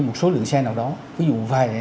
một số lượng xe nào đó ví dụ